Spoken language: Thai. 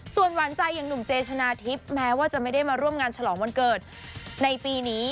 ส่วนหวานใจอย่างหนุ่มเจชนะทิพย์แม้ว่าจะไม่ได้มาร่วมงานฉลองวันเกิดในปีนี้